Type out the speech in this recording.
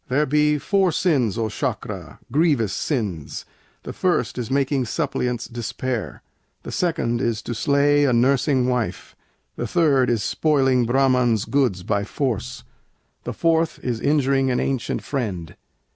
There be four sins, O Sâkra, grievous sins: The first is making suppliants despair, The second is to slay a nursing wife, The third is spoiling Brahmans' goods by force, The fourth is injuring an ancient friend.